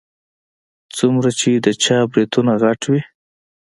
څومره چې د چا برېتونه غټ وي.